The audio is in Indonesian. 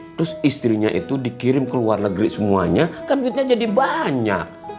terus istrinya itu dikirim ke luar negeri semuanya kan duitnya jadi banyak